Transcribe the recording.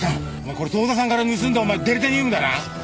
これ遠田さんから盗んだデリタニウムだな？